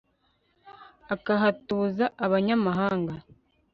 akahatuza abanyamahanga